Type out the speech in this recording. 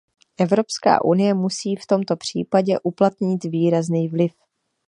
Evropská unie musí v tomto případě uplatnit výrazný vliv.